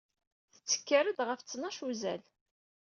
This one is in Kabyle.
Tettekkar-d ɣef ttnac n uzal